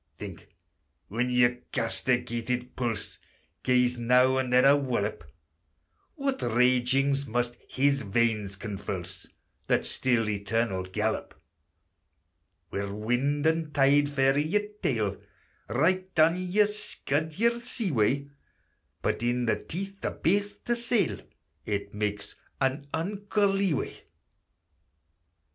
Think, when your castigated pulse Gies now and then a wallop, What ragings must his veins convulse, That still eternal gallop: Wi' wind and tide fair i' your tail, Right on ye scud your sea way; But in the teeth o' baith to sail, It makes an unco leeway.